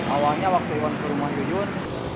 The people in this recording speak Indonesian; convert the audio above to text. awalnya waktu iwan ke rumah jujur